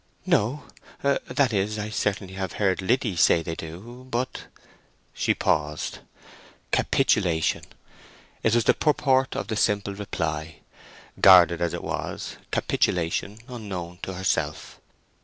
"No—that is—I certainly have heard Liddy say they do, but—" She paused. Capitulation—that was the purport of the simple reply, guarded as it was—capitulation, unknown to herself.